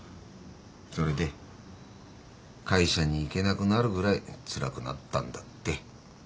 それで会社に行けなくなるぐらいつらくなったんだって。